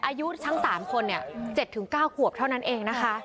อายุทั้ง๓คน๗๙ขวบเท่านั้นเองนะคะ